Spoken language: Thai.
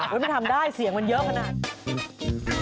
มันทำได้เสียงมันเยอะขนาด